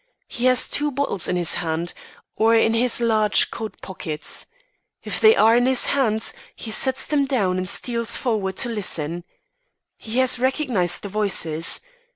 He has two bottles in his hands, or in his large coat pockets. If they are in his hands, he sets them down and steals forward to listen. He has recognised the voices.